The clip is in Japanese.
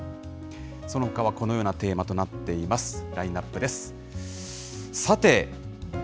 そのほかはこのようなテーマとなっています。